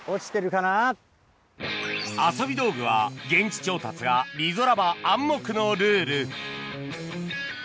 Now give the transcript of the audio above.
遊び道具は現地調達がリゾラバ暗黙のルール